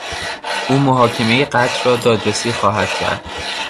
او محاکمهی قتل را دادرسی خواهد کرد.